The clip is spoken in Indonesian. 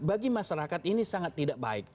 bagi masyarakat ini sangat tidak baik